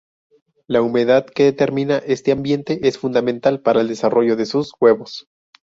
La humedad que determina este ambiente es fundamental para el desarrollo de sus huevos.